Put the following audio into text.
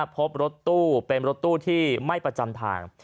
พบรถตู้เป็นรถตู้ที่ไม่ประจำทาง